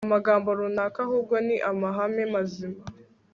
amagambo runaka, ahubwo ni amahame mazima